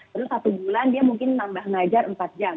terus satu bulan dia mungkin nambah ngajar empat jam